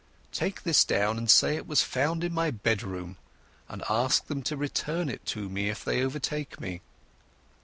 "Take this down and say it was found in my bedroom, and ask them to return it to me if they overtake me."